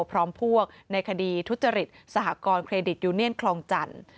พร้อมพวกในคดีทุจริตสหกรณเครดิตยูเนียนคลองจันทร์